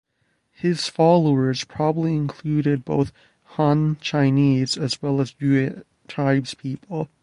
His followers probably included both Han Chinese as well as Yue tribespeople.